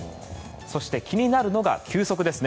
そして、気になるのが球速ですね。